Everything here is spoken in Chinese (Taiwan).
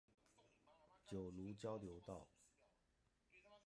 九如交流道